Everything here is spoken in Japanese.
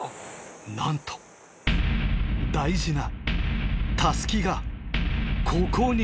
なんと大事な襷がここに！